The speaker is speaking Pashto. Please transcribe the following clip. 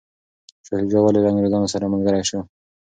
شاه شجاع ولي له انګریزانو سره ملګری شو؟